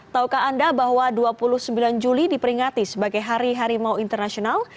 taukah anda bahwa dua puluh sembilan juli diperingati sebagai hari harimau internasional